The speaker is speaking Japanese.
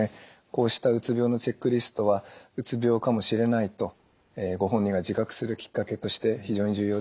こうしたうつ病のチェックリストはうつ病かもしれないとご本人が自覚するきっかけとして非常に重要です。